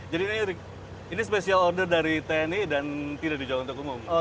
jadi ini special order dari tni dan tidak dijual untuk umum